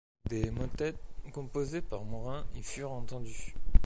Des motets composés par Morin y furent entendus.